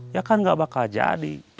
ya kan gak bakal jadi